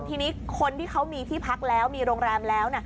ทีนี้คนที่เขามีที่พักแล้วมีโรงแรมแล้ว